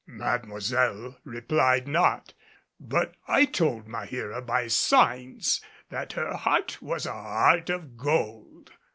Mademoiselle replied not, but I told Maheera by signs that her heart was a heart of gold.